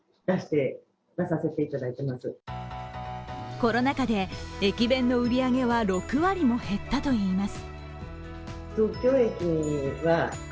コロナ禍で駅弁の売り上げは６割も減ったといいます。